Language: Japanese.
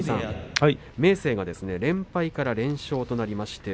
明生が連敗から連勝になりました。